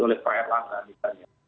oleh pak erlangga misalnya